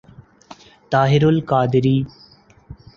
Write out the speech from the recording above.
Tahir al-Qadri